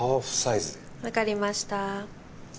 わかりました。